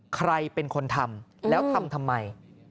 ใครเป็นคนทำแล้วทำทำไม